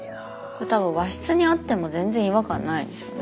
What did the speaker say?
これ多分和室にあっても全然違和感ないでしょうね。